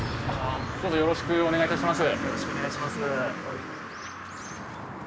よろしくお願いします。